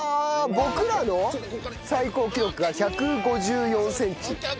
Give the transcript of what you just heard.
僕らの最高記録が１５４センチ。